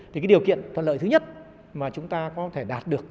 thì cái điều kiện thuận lợi thứ nhất mà chúng ta có thể đạt được